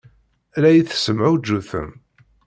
La iyi-tessemɛuǧǧutem.